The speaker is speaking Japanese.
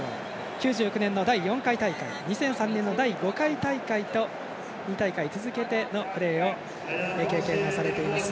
９９年の第４回大会２００３年の第５回大会と２大会続けてのプレーを経験されています。